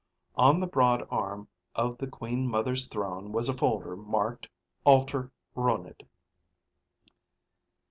On the broad arm of the Queen Mother's throne was a folder marked: ALTER RONID.